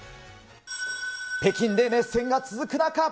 北京で熱戦が続く中。